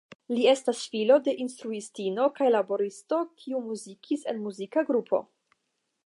Li estas la filo de instruistino kaj laboristo kiu muzikis en muzika grupo.